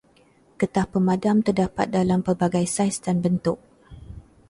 Getah pemadam terdapat dalam pelbagai saiz dan bentuk.